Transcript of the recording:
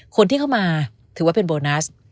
คนที่เข้ามาถือว่าเป็นโบนัส